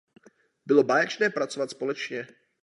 Bylo báječné pracovat společně.